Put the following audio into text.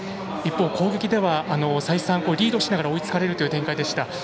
一方、攻撃では再三リードしながら追いつかれるという展開でした。